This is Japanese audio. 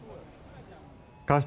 過失